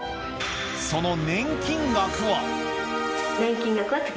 その年金額は？